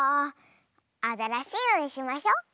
あたらしいのにしましょ。